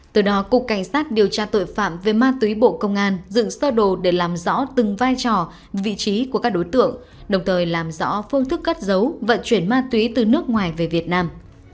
từ đó cục cảnh sát điều tra tội phạm về ma túy bộ công an dựng sơ đồ để làm rõ từng vai trò vị trí của các đối tượng đồng thời làm rõ phương thức cất giấu vận chuyển ma túy từ nước ngoài về việt nam